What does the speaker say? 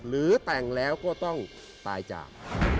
หรือแต่งแล้วก็ต้องตายจาก